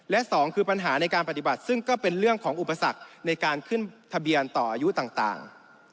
และสองคือปัญหาในการปฏิบัติซึ่งก็เป็นเรื่องของอุปสรรคในการขึ้นทะเบียนต่ออายุต่าง